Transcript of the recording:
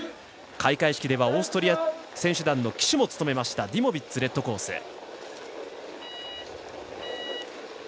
開会式ではオーストリア選手団の旗手も務めましたデュモビッツがレッドコース。